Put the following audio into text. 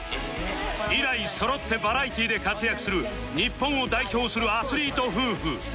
以来そろってバラエティーで活躍する日本を代表するアスリート夫婦